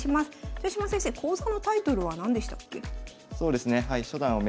豊島先生講座のタイトルは何でしたっけ？